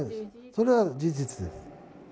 それは事実です。